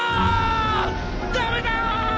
ダメだ‼